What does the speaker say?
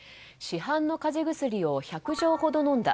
市販の風邪薬を１００錠ほど飲んだ。